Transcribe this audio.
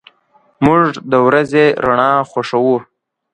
موږ د ورځې رڼا خوښو.